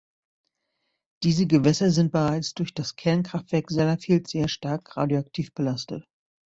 Diese Gewässer sind bereits durch das Kernkraftwerk Sellafield sehr stark radioaktiv belastet.